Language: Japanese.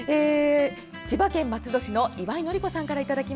千葉県松戸市の岩井典子さんです。